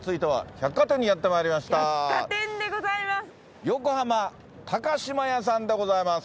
百貨店でございます。